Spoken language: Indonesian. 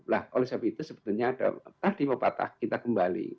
nah kalau seperti itu sebetulnya ada entah di bapak tak kita kembali